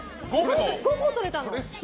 ５個取れたの！